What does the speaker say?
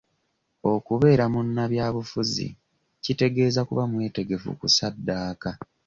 Okubeera mu nnabyabufuzi kitegeeeza kuba mwetegefu kusaddaaka